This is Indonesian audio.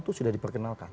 itu sudah diperkenalkan